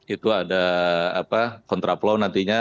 itu ada kontraplau nantinya